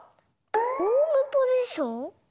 ホームポジション？